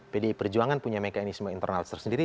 pdi perjuangan punya mekanisme internal tersendiri